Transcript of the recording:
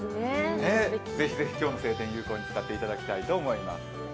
ぜひぜひ今日の晴天を有効に使っていただきたいと思います。